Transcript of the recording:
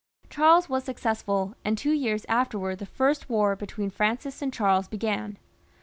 Charles was successful, and two years afterwards the first war between Francis and Charles began.